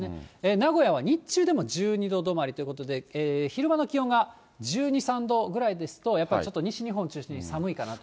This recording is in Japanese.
名古屋は日中でも１２度止まりということで、昼間の気温が１２、３度ぐらいですと、やっぱりちょっと西日本中心に寒いかなと。